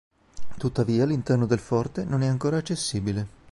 Tuttavia l'interno del forte non è ancora accessibile.